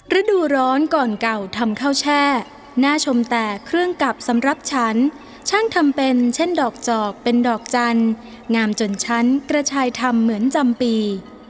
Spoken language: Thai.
ฤดูร้อนก่อนเก่าทำข้าวแช่น่าชมแต่เครื่องกลับสำหรับฉันช่างทำเป็นเช่นดอกจอกเป็นดอกจันทร์งามจนฉันกระชายทำเหมือนจำปี